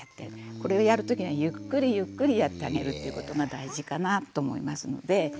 これをやる時にはゆっくりゆっくりやってあげるっていうことが大事かなと思いますので。